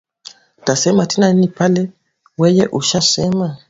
Tasema tena nini pale weye usha sema